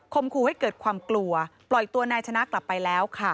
คู่ให้เกิดความกลัวปล่อยตัวนายชนะกลับไปแล้วค่ะ